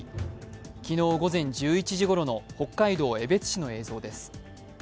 昨日午前１１時ごろの北海道江別市の映像です。